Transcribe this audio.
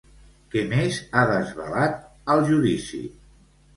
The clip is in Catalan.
Què més ha desvelat al judici?